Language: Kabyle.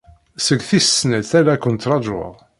Seg tis snat ay la kent-ttṛajuɣ.